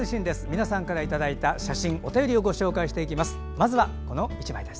皆さんからいただいた写真とお便りをご紹介します。